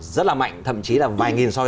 rất là mạnh thậm chí là vài nghìn so với